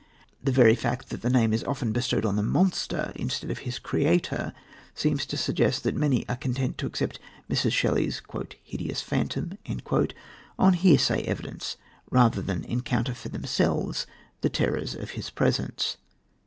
The very fact that the name is often bestowed on the monster instead of his creator seems to suggest that many are content to accept Mrs. Shelley's "hideous phantom" on hearsay evidence rather than encounter for themselves the terrors of his presence.